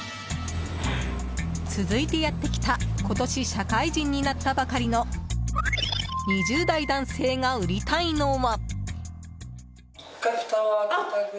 続いてやってきた今年社会人になったばかりの２０代男性が売りたいのは。